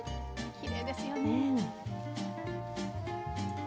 きれいですよね。